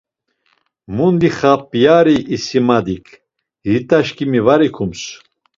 Mundi xap̌yari İsmatik zit̆aşǩimi var ikums.